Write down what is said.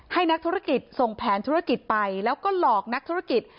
ให้นักธุรกิจส่งแผนธุรกิจไปแล้วก็หลอกนักธุรกิจ